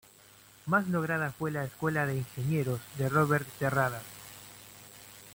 Más lograda fue la Escuela de Ingenieros, de Robert Terradas.